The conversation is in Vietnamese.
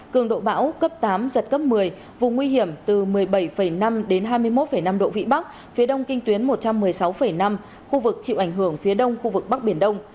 cường độ bão cấp tám giật cấp một mươi vùng nguy hiểm từ một mươi bảy năm đến hai mươi một năm độ vĩ bắc phía đông kinh tuyến một trăm một mươi sáu năm khu vực chịu ảnh hưởng phía đông khu vực bắc biển đông